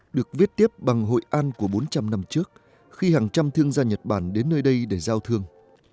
được viết tiếp bằng hội an của bốn trăm linh năm trước khi hàng trăm thương gia nhật bản đến nơi đây để giao thương